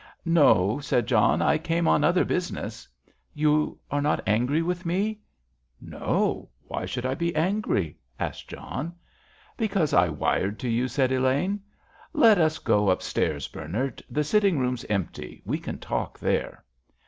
"No," said John; "I came on other business." "You are not angry with me?" "No; why should I be angry?" asked John. "Because I wired to you," said Elaine. "Let us go upstairs, Bernard. The sitting room's empty; we can talk there."